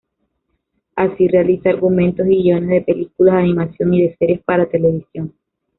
Así, realiza argumentos y guiones de películas de animación y de series para televisión.